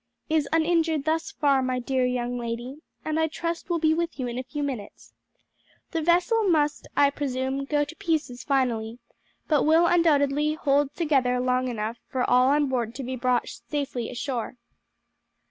"Is uninjured thus far, my dear young lady, and I trust will be with you in a few minutes. The vessel must, I presume, go to pieces finally, but will undoubtedly hold together long enough for all on board to be brought safely to shore."